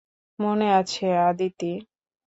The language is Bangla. মনে আছে, আদিতি?